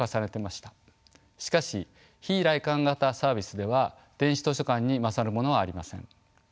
しかし非来館型サービスでは電子図書館に勝るものはありません。